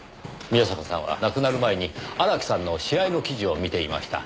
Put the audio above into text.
宮坂さんは亡くなる前に荒木さんの試合の記事を見ていました。